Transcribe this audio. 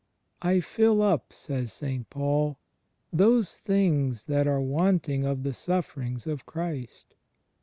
"I fill up, " says St. Paul, "those things that are wanting^of the sufferings of Christ."